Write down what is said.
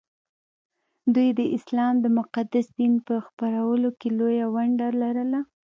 دوی د اسلام د مقدس دین په خپرولو کې لویه ونډه لرله